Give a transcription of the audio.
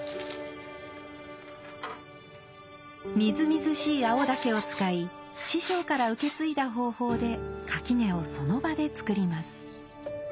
みずみずしい青竹を使い師匠から受け継いだ方法で垣根をその場で作ります。